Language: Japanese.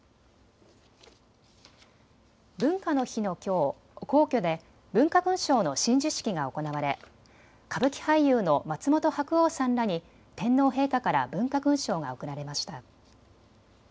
文化の日のきょう、皇居で文化勲章の親授式が行われ歌舞伎俳優の松本白鸚さんらに天皇陛下から文化勲章が贈られました。